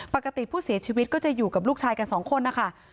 ปกติผู้เสียชีวิตก็จะอยู่กับลูกชายกันสองคนนะคะ